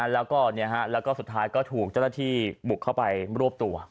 แล้วก็สุดท้ายก็ถูกเจ้าหน้าที่บุกเข้าไปรวบตัว